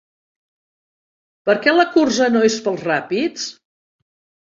Per què la cursa no és pels ràpids?